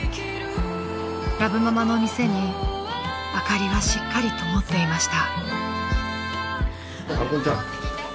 ［ラブママの店に明かりはしっかりともっていました］